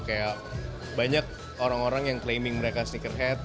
kayak banyak orang orang yang claiming mereka sneakerhead